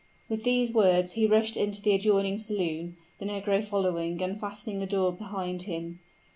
With these words he rushed into the adjoining saloon, the negro following and fastening the door behind him.